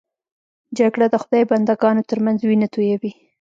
جګړه د خدای بنده ګانو تر منځ وینه تویوي